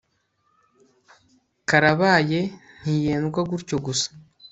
karabaye ntiyendwa gutyo gusa